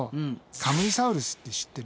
カムイサウルスって知ってる？